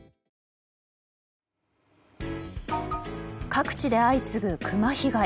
各地で相次ぐ、クマ被害。